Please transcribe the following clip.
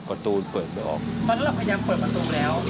ตอนนั้นพยายามเปิดประตูแล้ว